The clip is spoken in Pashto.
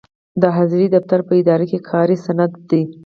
د حاضرۍ دفتر په اداره کې کاري سند دی.